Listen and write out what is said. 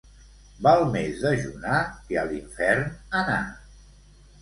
Val més dejunar que a l'infern anar.